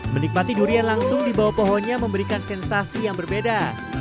menikmati durian langsung di bawah pohonnya memberikan sensasi yang berbeda